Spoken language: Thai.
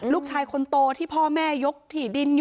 ลูกชายคนโตที่พ่อแม่ยกที่ดิน